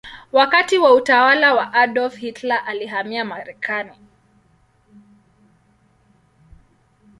Wakati wa utawala wa Adolf Hitler alihamia Marekani.